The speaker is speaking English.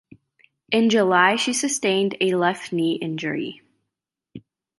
In July she sustained a left knee injury.